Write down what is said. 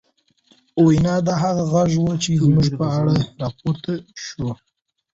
وينا، دا هغه غږ و، چې زموږ په اړه راپورته شو